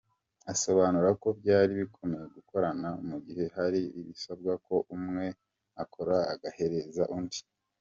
Asobanura ko byari bikomeye gukorana mu gihe hari ibisabwa ko umwe akora, agahereza undi.